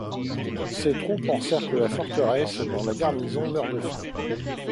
Ses troupes encerclent la forteresse dont la garnison meurt de faim.